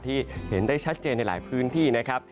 ที่เห็นได้ชัดเจนในหลายพื้นที่นะครับ